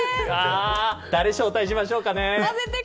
誰を招待しましょうか。